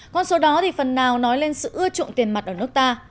con số đó thì phần nào nói lên sự ưa chuộng tiền mặt ở nước ta